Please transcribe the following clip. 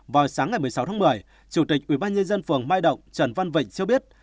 vào sáng ngày một mươi sáu tháng một mươi chủ tịch ubnd phường mai động trần văn vịnh cho biết